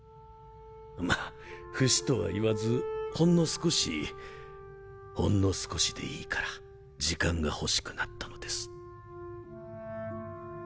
まぁ不死とは言わずほんの少しほんの少しでいいから時間が欲しくなったのです。